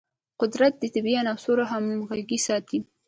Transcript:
قدرت د طبیعي عناصرو همغږي ساتي.